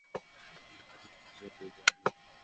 মনে হয় না নতুন করে পরিচয় দেয়া লাগবে।